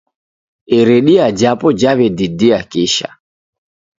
Iridia japo jaw'edidia kisha